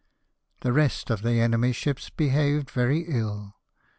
The rest of the enemy's ships behaved very ill.